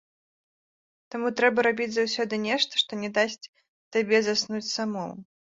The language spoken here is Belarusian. Таму трэба рабіць заўсёды нешта, што не дасць табе заснуць самому.